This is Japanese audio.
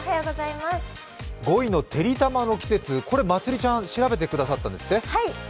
５位のてりたまの季節、まつりちゃん、調べてくださったんですって？